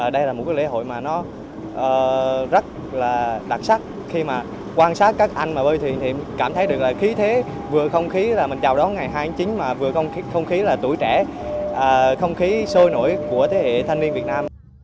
đây là một lễ hội rất đặc sắc khi quan sát các anh bơi thuyền thì cảm thấy được là khí thế vừa không khí là ngày hai chín mà vừa không khí là tuổi trẻ không khí sôi nổi của thế hệ thanh niên việt nam